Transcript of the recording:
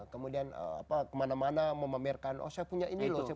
kemudian kemana mana memamerkan oh saya punya ini loh